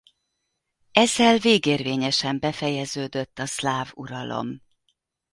Ezzel végérvényesen befejeződött a szláv uralom.